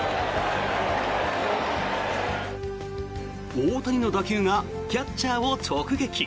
大谷の打球がキャッチャーを直撃。